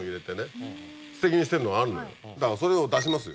だからそれを出しますよ。